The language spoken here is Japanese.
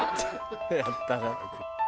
「やったな？」。